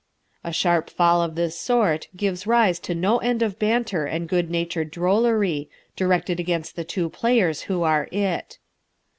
A sharp fall of this sort gives rise to no end of banter and good natured drollery, directed against the two players who are "it."